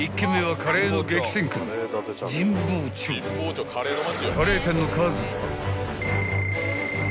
［カレー店の数は］